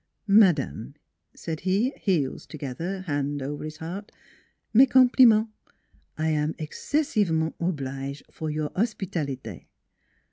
"Madame," said he, heels together, hand over his heart, " mes compliments! I am excessive ment oblige for your hospitalite."